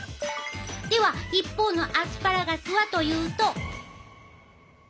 では一方のアスパラガスはというと。